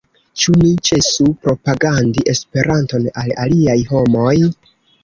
Ĉu ni ĉesu propagandi Esperanton al aliaj homoj?